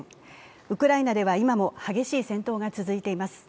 ウクライナでは今も激しい戦闘が続いています。